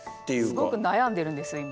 すごくなやんでるんですよ今。